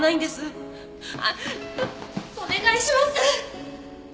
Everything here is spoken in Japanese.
お願いします！